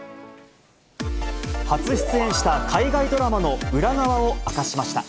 初出演した海外ドラマの裏側を明かしました。